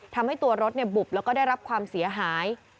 ทำให้ตัวรถบุบแล้วก็ได้รับความเสียหาย